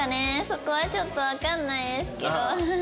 そこはちょっとわかんないですけど。